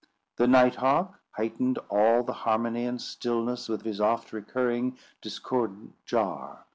The night hawk heightened all the harmony and stillness with his oft recurring, discordant jar.